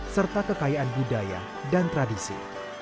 serta kekayaan budaya dan tradisi